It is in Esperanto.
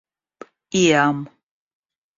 iam